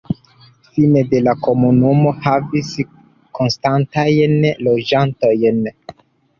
Fine de la komunumo havis konstantajn loĝantojn.